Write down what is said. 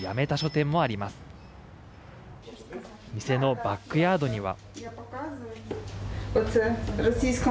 店のバックヤードには。